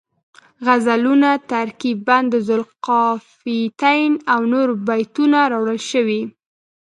غزلونه، ترکیب بند ذوالقافیتین او نور بیتونه راوړل شوي